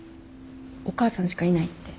お母さんしかいないって。